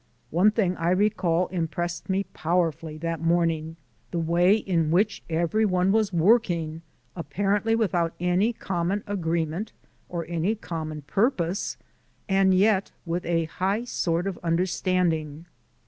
One thing, I recall, impressed me powerfully that morning the way in which every one was working, apparently without any common agreement or any common purpose, and yet with a high sort of understanding.